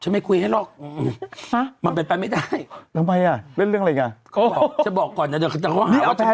วครอบครอบคร่าย